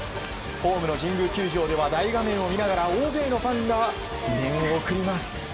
ホームの神宮球場では大画面を見ながら大勢のファンが念を送ります。